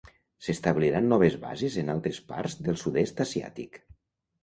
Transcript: S'establiran noves bases en altres parts del sud-est asiàtic.